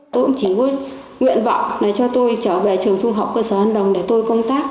tôi cũng chỉ có nguyện vọng cho tôi trở về trường trung học cơ sở an đồng để tôi công tác